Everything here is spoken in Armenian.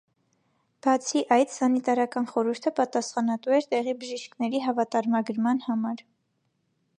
Բացի այդ, սանիտարական խորհուրդը պատասխանատու էր տեղի բժիշկների հավատարմագրման համար։